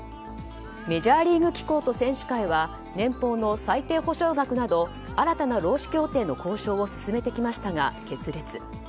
メジャーリーグ機構と選手会は年俸の最低保証額など新たな労使協定の交渉を進めてきましたが決裂。